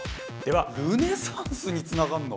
ルネサンスにつながんの？